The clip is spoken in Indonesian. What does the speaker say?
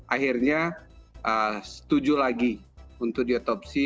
akhirnya setuju lagi untuk diotopsi